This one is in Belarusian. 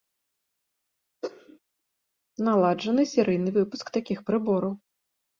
Наладжаны серыйны выпуск такіх прыбораў.